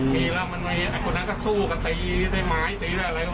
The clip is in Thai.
มีแล้วมันมีไอ้คนนั้นก็สู้กับตีตีไม้ตีอะไร